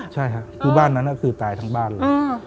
ใช่ค่ะคือบ้านนั้นคือตายทั้งบ้านเลย